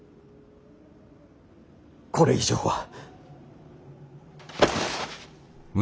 これ以上は。